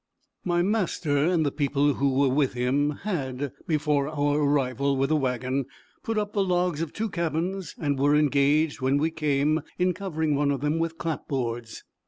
My master and the people who were with him had, before our arrival with the wagon, put up the logs of two cabins, and were engaged, when we came, in covering one of them with clapboards.